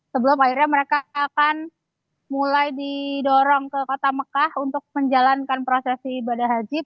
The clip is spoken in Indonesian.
sebelum akhirnya mereka akan mulai didorong ke kota mekah untuk menjalankan prosesi ibadah haji